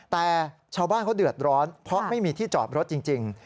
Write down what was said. แต่ชาวบ้านเขาเดือดร้อนเพราะไม่มีที่จอดรถจริง